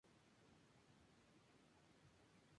Republicano convencido, no se afilió a ningún partido.